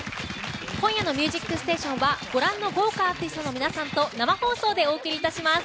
今夜の「ミュージックステーション」はご覧の豪華アーティストの皆さんと生放送でお送りします。